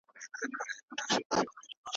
پوهه د بريا کلۍ ده.